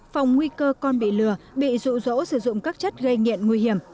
phòng nguy cơ con bị lừa bị rụ rỗ sử dụng các chất gây nghiện nguy hiểm